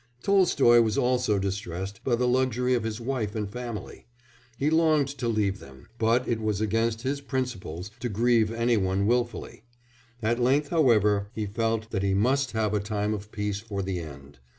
Tolstoy was also distressed by the luxury of his wife and family; he longed to leave them, but it was against his principles to grieve anyone wilfully. At length, however, he felt that he must have a time of peace for the end.